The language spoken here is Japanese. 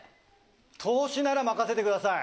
トウシなら任せてください。